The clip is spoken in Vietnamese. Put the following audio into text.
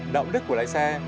đạo đức của lái xe